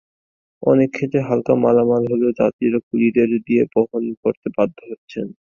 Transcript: অনেক ক্ষেত্রে হালকা মালামাল হলেও যাত্রীরা কুলিদের দিয়ে বহন করতে বাধ্য হচ্ছেন।